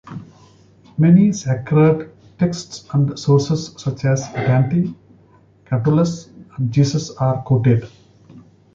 Many sacred texts and sources such as Dante, Catullus, and Jesus are quoted.